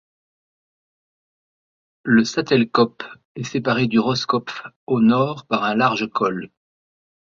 Le Sattelkop est séparé du Rosskopf au nord par un large col.